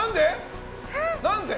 何で？